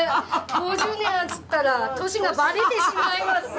５０年なんて言ったら年がばれてしまいます。